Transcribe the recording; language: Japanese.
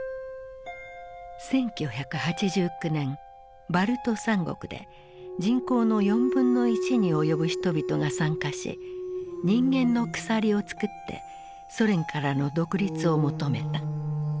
１９８９年バルト三国で人口の４分の１に及ぶ人々が参加し人間の鎖を作ってソ連からの独立を求めた。